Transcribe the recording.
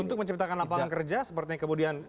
untuk menciptakan lapangan kerja seperti yang kemudian